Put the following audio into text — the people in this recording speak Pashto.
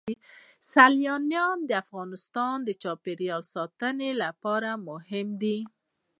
سیلاني ځایونه د افغانستان د چاپیریال ساتنې لپاره مهم دي.